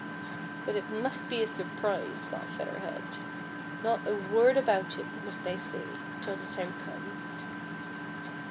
"But it must be a surprise," thought Feather Head ;" not a word about it must I say till the time comes."